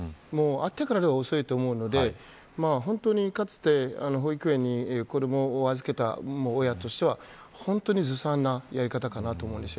あってからでも遅いと思うんで本当に、かつて保育園に子どもを預けた親としては本当にずさんなやり方かなと思います。